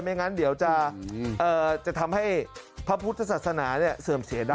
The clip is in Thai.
งั้นเดี๋ยวจะทำให้พระพุทธศาสนาเสื่อมเสียได้